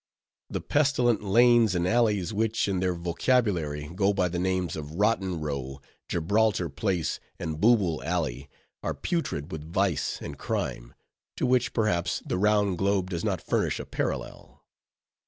The pestilent lanes and alleys which, in their vocabulary, go by the names of Rotten row, Gibraltar place, and Booble alley, are putrid with vice and crime; to which, perhaps, the round globe does not furnish a parallel.